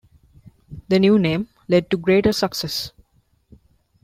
The new name led to greater success.